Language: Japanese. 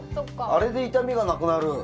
あれで痛みがなくなる？